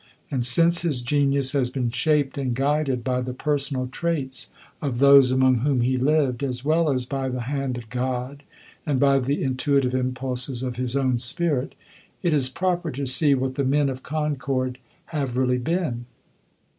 And since his genius has been shaped and guided by the personal traits of those among whom he lived, as well as by the hand of God and by the intuitive impulses of his own spirit, it is proper to see what the men of Concord have really been.